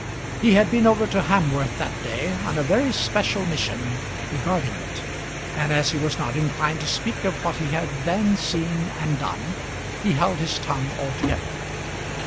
He had been over to Hamworth that day on a very special mission regarding it, and as he was not inclined to speak of what he had then seen and done, he held his tongue altogether.